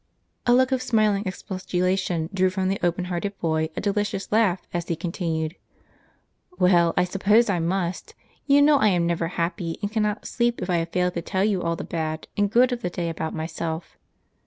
A look of smiling expostulation drew from the open hearted boy a delicious laugh, as he continued : "Well, I suppose I must. You know I am never happy, and cannot sleep, if I have failed to tell you all the bad and the good of the day about myself."